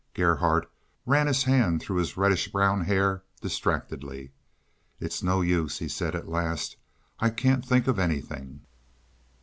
Gerhardt ran his hand through his reddish brown hair distractedly. "It's no use," he said at last. "I can't think of anything."